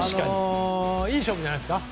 いい勝負じゃないですか。